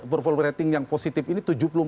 purval rating yang positif ini